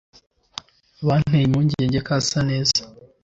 Byanteye impungenge ko asa neza